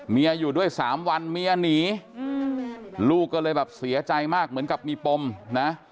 อยู่ด้วยสามวันเมียหนีลูกก็เลยแบบเสียใจมากเหมือนกับมีปมนะ